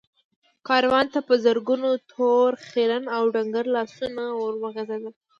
کاروان ته په زرګونو تور، خيرن او ډنګر لاسونه ور وغځېدل.